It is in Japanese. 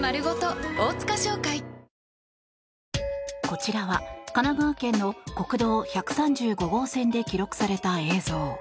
こちらは神奈川県の国道１３５号線で記録された映像。